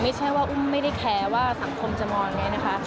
ไม่ใช่ว่าอุ้มไม่ได้แคร์ว่าสังคมจะมองไงนะคะ